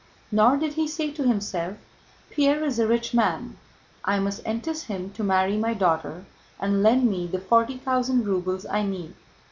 Nor did he say to himself: "Pierre is a rich man, I must entice him to marry my daughter and lend me the forty thousand rubles I need."